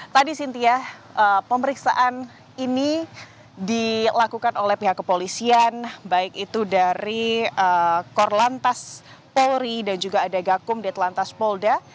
tadi sintia pemeriksaan ini dilakukan oleh pihak kepolisian baik itu dari korlantas polri dan juga ada gakum di telantas polda